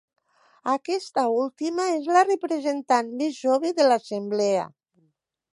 Aquesta última és la representant més jove de l'Assemblea.